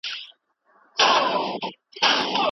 هغه کسان چې په انټرنیټ کې کار کوي ډېر مصروف وي.